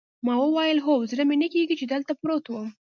ما وویل: هو، زړه مې نه کېږي چې دلته پروت وم.